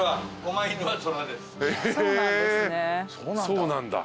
そうなんだ。